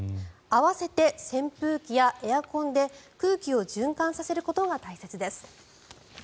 併せて扇風機やエアコンで空気を循環させることが大切です。